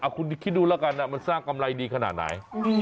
คุณคิดดูแล้วกันมันสร้างกำไรดีขนาดไหน